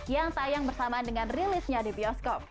yang tayang bersamaan dengan rilisnya di bioskop